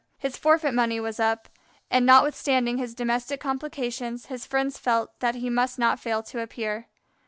His forfeit money was up, and notwithstanding his domestic complications, his friends felt that he must not fail to appear.